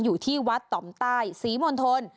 อยู่ที่วัดต่อมใต้ศรีมณฑล